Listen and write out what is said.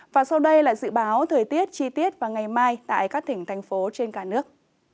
và sau đây là dự báo thời tiết chi tiết vào ngày mai tại các tỉnh thành phố trên cả nước